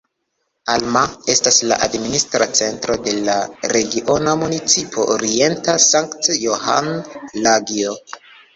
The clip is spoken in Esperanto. Alma estas la administra centro de la Regiona Municipo Orienta Sankt-Johan-Lagio.